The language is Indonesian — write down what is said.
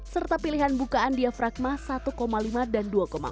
serta pilihan bukaan diafragma satu lima dan dua empat